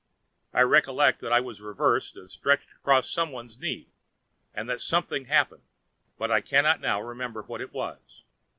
I recollect that I was reversed and stretched across some one's knee, and that something happened, but I cannot now remember what it was.